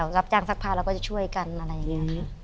รับจ้างซักผ้าเราก็จะช่วยกันอะไรอย่างนี้